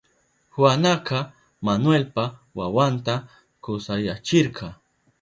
Juanaka Manuelpa wawanta kusayachirka.